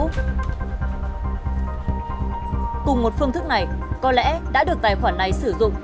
cùng một phương thức này có lẽ đã được tài khoản này sử dụng